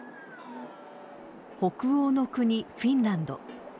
北欧の国フィンランド。